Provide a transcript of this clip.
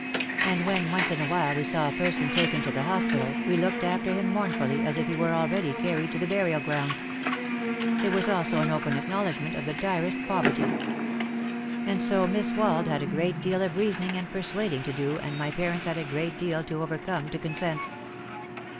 And when once in a while we saw a person taken to the hospital we looked after him mournfully as if he were already carried to the burial grounds. It was also an open acknowledgment of the direst poverty. And so Miss Wald had a great deal of reasoning and persuading to do and my parents had a great deal to over come to consent!